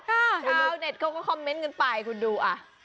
ชาวเน็ตเขาก็คอมเมนต์กันไปคุณดูอ่ะ